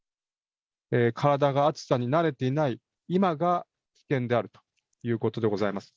体が暑さに慣れていない今が危険であるということでございます。